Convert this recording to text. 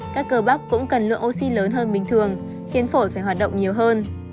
các cơ bắp cũng cần lượng oxy lớn hơn bình thường khiến phổi phải hoạt động nhiều hơn